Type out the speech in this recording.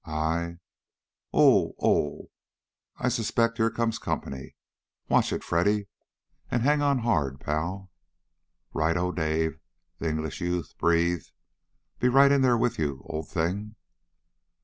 I Oh oh! I suspect here comes company. Watch it, Freddy. And hang on hard, pal." "Right o, Dave!" the English youth breathed. "Be right in there with you, old thing."